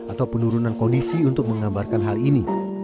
atau penurunan kondisi untuk menggambarkan hal ini